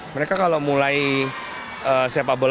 mereka kalau mulai sepak bola